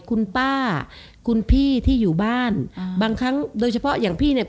คุณป้าคุณพี่ที่อยู่บ้านอ่าบางครั้งโดยเฉพาะอย่างพี่เนี่ย